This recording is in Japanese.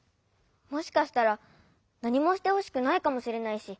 もしかしたらなにもしてほしくないかもしれないし。